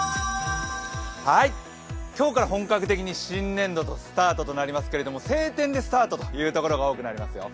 今日から本格的に新年度スタートとなりますけれども、晴天でスタートという所が多くなりますよ。